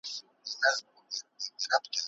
ژوند به ستونزمن نه سي.